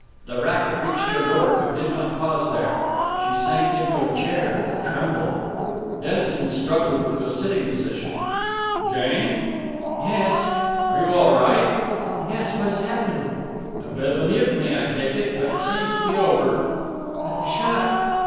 The racket reached her door, but did not pause there. She sank into the chair, a tremble. Dennison struggled to a sitting posture. "Jane?" "Yes!" "Are you all right?" "Yes, what has happened?" "A bit of mutiny, I take it; but it seems to be over." "But the shot!"